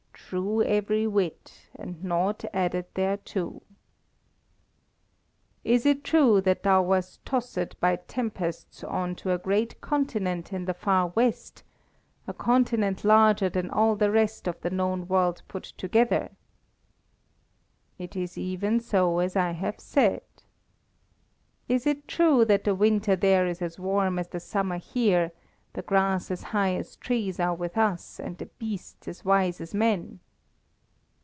"True every whit, and nought added thereto." "Is it true that thou wast tossed by tempests on to a great continent in the far west, a continent larger than all the rest of the known world put together?" "It is even so as I have said." "Is it true that the winter there is as warm as the summer here, the grass as high as trees are with us, and the beasts as wise as men?"